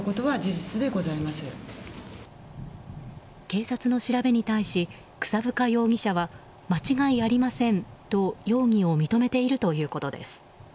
警察の調べに対し草深容疑者は間違いありませんと容疑を認めているということです。